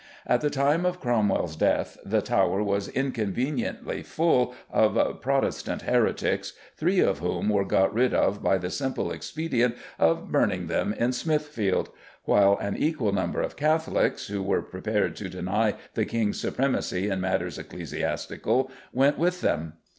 At the time of Cromwell's death the Tower was inconveniently full of "Protestant heretics," three of whom were got rid of by the simple expedient of burning them in Smithfield, while an equal number of Catholics, who were prepared to deny the King's supremacy in matters ecclesiastical, went with them.